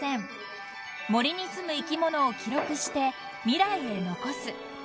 ［森にすむ生き物を記録して未来へ残す］